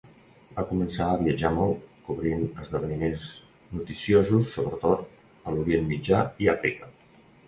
Va començar a viatjar molt, cobrint esdeveniments noticiosos sobretot a l'Orient Mitjà i Àfrica.